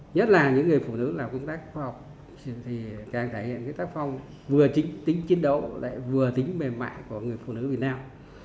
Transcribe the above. nhất là những người phụ nữ làm công tác khoa học càng trải nghiệm tác phong vừa tính chiến đấu vừa tính mềm mại của người phụ nữ việt nam